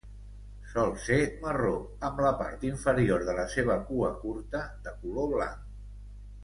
Sol ser marró, amb la part inferior de la seva cua curta de color blanc.